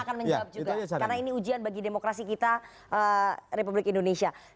karena ini ujian bagi demokrasi kita republik indonesia